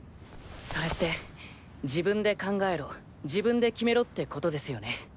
それって自分で考えろ自分で決めろってことですよね。